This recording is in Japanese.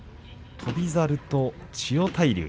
翔猿と千代大龍。